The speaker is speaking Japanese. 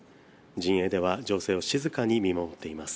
陣営では、情勢を静かに見守っています。